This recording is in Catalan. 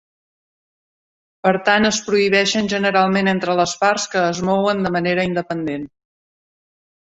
Per tant, es prohibeixen generalment entre les parts que es mouen de manera independent.